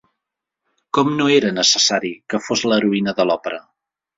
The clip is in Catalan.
Com no era necessari que fos l'heroïna de l'òpera?